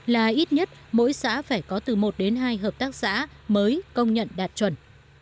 là ít nhất mỗi xã phải có từ một đến hai hợp tác xã mới công nhận đạt chuẩn